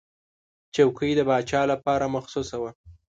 چوکۍ د پاچا لپاره مخصوصه وه.